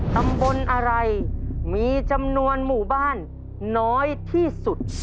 ตำบลอะไรมีจำนวนหมู่บ้านน้อยที่สุด